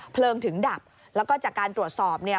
เพลิงถึงดับแล้วก็จากการตรวจสอบเนี่ย